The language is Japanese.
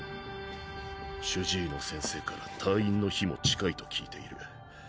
主治医の先生から退院の日も近いと聞いている。